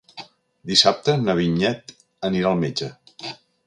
Dissabte na Vinyet anirà al metge.